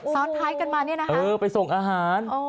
ซ้อนไพล์กันมาไปส่งอาหาร